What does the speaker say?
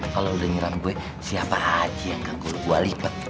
kalo lu udah nyeram gue siapa aja yang gagal gua lipet